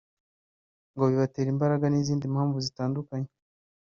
ngo bibatera imbaraga n’izindi mpamvu zitandukanye